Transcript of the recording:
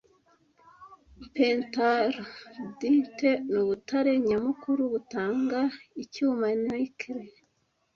Pentlandite nubutare nyamukuru butanga icyuma Nickel